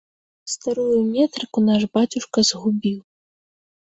Старую метрыку наш бацюшка згубіў.